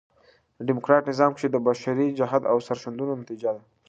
ډيموکراټ نظام کښي د بشري جهد او سرښندنو نتیجه ده.